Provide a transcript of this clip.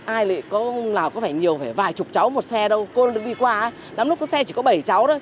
ai lệ có phải nhiều phải vài chục cháu một xe đâu cô đứng đi qua lắm lúc xe chỉ có bảy cháu thôi